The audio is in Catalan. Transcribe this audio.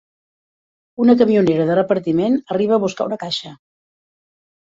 Una camionera de repartiment arriba a buscar una caixa.